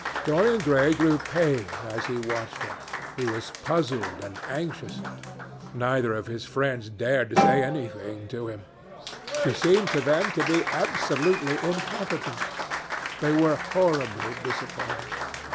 Dorian Gray grew pale as he watched her. He was puzzled and anxious. Neither of his friends dared to say anything to him. She seemed to them to be absolutely incompetent. They were horribly disappointed.